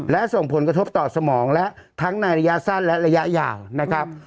และส่งผลกระทบต่อสมองและทั้งในระยะสั้นและระยะยาวนะครับ